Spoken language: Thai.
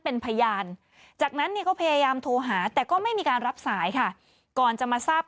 เป็นพยานจากนั้นเนี่ยก็พยายามโทรหาแต่ก็ไม่มีการรับสายค่ะก่อนจะมาทราบ